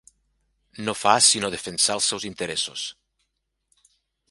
No fa sinó defensar els seus interessos.